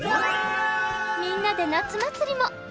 みんなで夏祭りも！